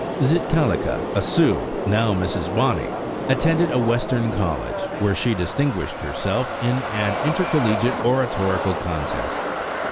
Zitkalasa, a Sioux (now Mrs. Bonney), attended a Western college, where she distinguished herself in an intercollegiate oratorical contest.